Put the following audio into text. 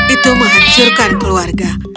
itu menghancurkan keluarga